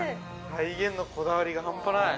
◆再現のこだわりがハンパない。